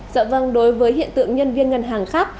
dạ vâng đối với hiện tượng nhân viên ngân hàng khác